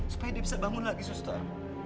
supaya dia bisa bangun lagi suster